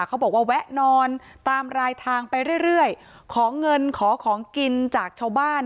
เขาบอกว่าแวะนอนตามรายทางไปเรื่อยขอเงินขอของกินจากชาวบ้าน